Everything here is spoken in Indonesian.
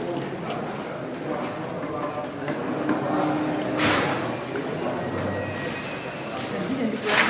khas mohon hirah